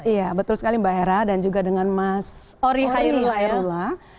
iya betul sekali mbak hera dan juga dengan mas hairul hairullah